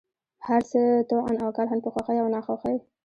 هرڅه، طوعا اوكرها ، په خوښۍ او ناخوښۍ،